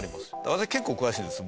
私結構詳しいです